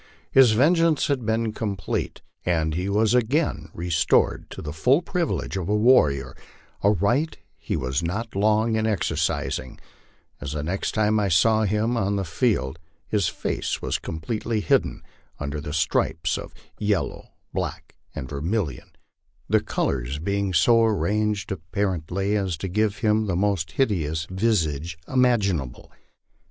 His vengeance had been complete, and he was again restored to the full privileges of a warrior a right he was not long in exercising, as the next time I saw him on the field his face was completely hidden under the stripes of yellow, black, and vermilion, the colors being so arranged apparently as to give him the most hideous vis age imaginable.